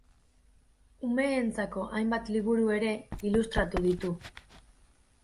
Umeentzako hainbat liburu ere ilustratu ditu.